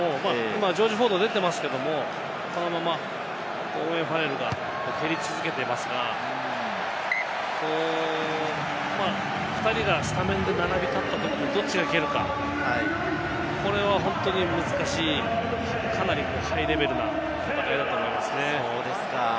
ジョージ・フォード、今出てますけれども、このままオーウェン・ファレルが蹴り続けていますが、２人がスタメンで並び立ったときに、どっちが蹴るか、これは本当に難しい、かなりハイレベルな戦いだと思いますね。